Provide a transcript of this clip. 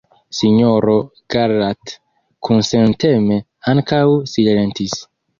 Sinjoro Garrat kunsenteme ankaŭ silentis.